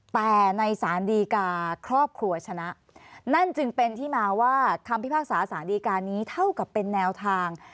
แต่ในสารดีกาครอบครัวชนะนั่นจึงเป็นที่มาว่าคำพิพากษาสารดีการนี้เท่ากับเป็นแนวทาง